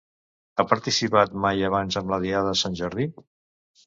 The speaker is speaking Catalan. Ha participat mai abans en la diada de Sant Jordi?